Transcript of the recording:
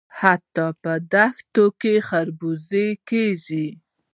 حتی په دښتو کې خربوزې کیږي.